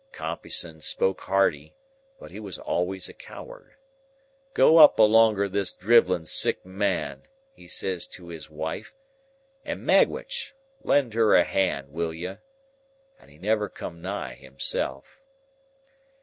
"Compeyson spoke hardy, but he was always a coward. 'Go up alonger this drivelling sick man,' he says to his wife, 'and Magwitch, lend her a hand, will you?' But he never come nigh himself.